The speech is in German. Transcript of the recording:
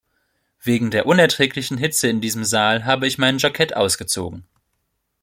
Wegen der unerträglichen Hitze in diesem Saal habe ich mein Jackett ausgezogen.